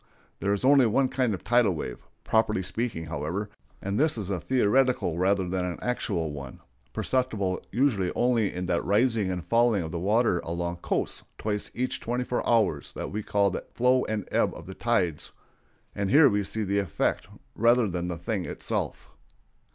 There is only one kind of "tidal wave," properly speaking, however; and this is a theoretical rather than an actual one, perceptible usually only in that rising and falling of the water along coasts twice each twenty four hours that we call the flow and ebb of the tides; and here we see the effect rather than the thing itself.